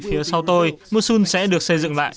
phía sau tôi mosul sẽ được xây dựng lại